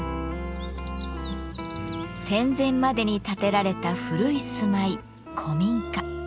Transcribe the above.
戦前までに建てられた古い住まい「古民家」。